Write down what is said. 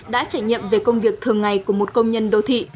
đã trải nghiệm về công việc thường ngày của một công nhân đô thị